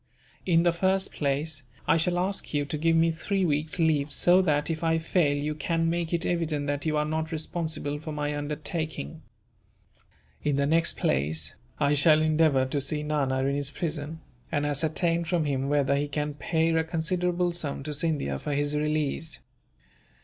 In the first place, I shall ask you to give me three weeks' leave so that, if I fail, you can make it evident that you are not responsible for my undertaking. In the next place, I shall endeavour to see Nana in his prison, and ascertain from him whether he can pay a considerable sum to Scindia for his release.